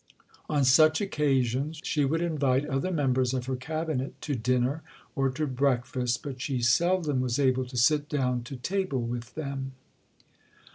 On such occasions she would invite other members of her "Cabinet" to dinner or to breakfast, but she seldom was able to sit down to table with them.